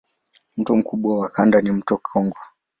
Mto mkubwa wa kanda ni mto Kongo.